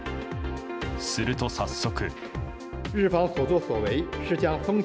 すると、早速。